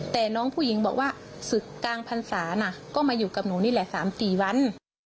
แต่น้องผู้หญิงบอกว่าศึกกลางพรรษานะก็มาอยู่กับหนูนี่แหละ๓๔วัน